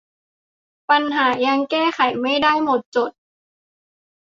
ปัญหายังแก้ไขไม่ได้หมดจด